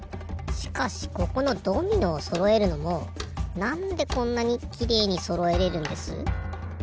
しかしここのドミノをそろえるのもなんでこんなにきれいにそろえれるんです？